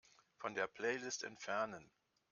Von der Playlist entfernen.